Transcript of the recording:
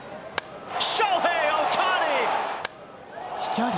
飛距離